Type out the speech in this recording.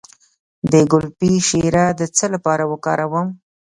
د ګلپي شیره د څه لپاره وکاروم؟